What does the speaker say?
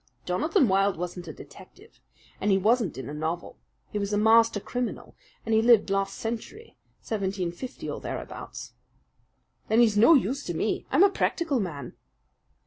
"Jonathan Wild wasn't a detective, and he wasn't in a novel. He was a master criminal, and he lived last century 1750 or thereabouts." "Then he's no use to me. I'm a practical man."